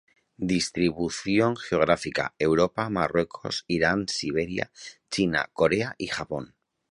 Distribución geográfica: Europa, Marruecos, Irán, Siberia, China, Corea y Japón.